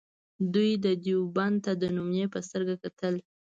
دوی دیوبند ته د نمونې په سترګه کتل.